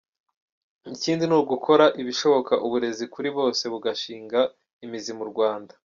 Ikindi ni ugukora ibishoboka uburezi kuri bose bugashinga imizi mu Rwanda”.